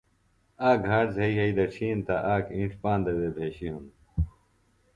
آک گھاٹ زھئی یھی دڇھین تہ آک اِنڇ پاندہ وے بھیشیۡ ہِنوۡ